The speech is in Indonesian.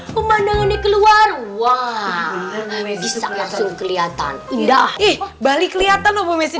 pemandangannya keluar wah bisa langsung kelihatan indah balik kelihatan lo mesin